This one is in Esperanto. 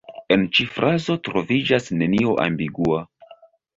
En ĉi frazo troviĝas nenio ambigua.